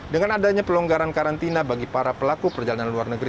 dengan adanya pelonggaran karantina bagi para pelaku perjalanan luar negeri